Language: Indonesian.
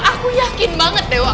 aku yakin banget dewa